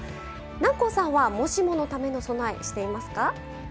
南光さんは、もしものための備えしていますか？